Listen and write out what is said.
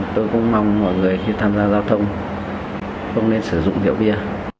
tôi cũng mong mọi người khi tham gia giao thông không nên sử dụng rượu bia